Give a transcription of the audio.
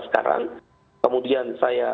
sekarang kemudian saya